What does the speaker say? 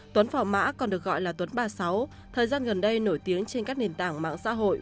tuấn phỏ mã còn được gọi là tuấn ba mươi sáu thời gian gần đây nổi tiếng trên các nền tảng mạng xã hội